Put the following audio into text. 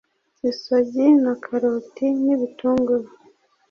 isogi, na karoti ni bitunguru,